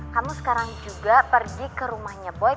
kamu sekarang juga pergi ke rumahnya boy